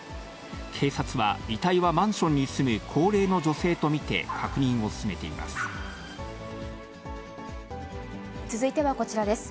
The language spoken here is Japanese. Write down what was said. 警察は、遺体はマンションに住む高齢の女性と見て確認を進めています。